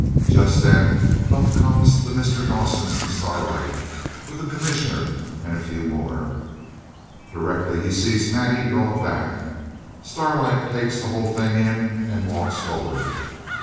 Just then up comes the Mr. Dawsons and Starlight, with the Commissioner and a few more. Directly he sees Maddie draw back, Starlight takes the whole thing in, and walked forward.